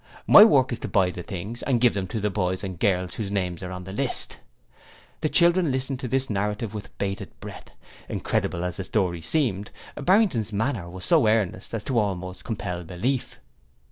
My work is to buy the things and give them to the boys and girls whose names are on the list.' The children listened to this narrative with bated breath. Incredible as the story seemed, Barrington's manner was so earnest as to almost compel belief.